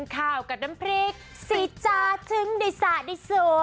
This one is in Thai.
ข้าวกับน้ำพริกศีรษฐ์จาทึงได้สาได้สวย